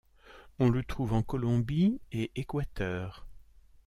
On le trouve en Colombie et Équateur.